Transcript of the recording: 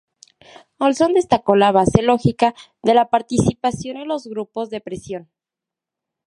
Olson destacó la base lógica de la participación en los grupos de presión.